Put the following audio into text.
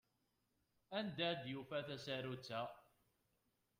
Anda i d-yufa tasarut-a?